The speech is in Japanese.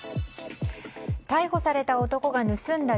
逮捕された男が盗んだ